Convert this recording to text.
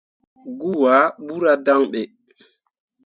Goo ah ɓuura dan ɓe.